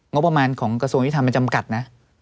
งบประมาณของกระทรวงยุทธรรมมันจำกัดนะ